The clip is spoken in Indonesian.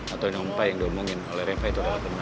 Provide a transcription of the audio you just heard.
atau dongpa yang dia omongin dengan revah itu adalah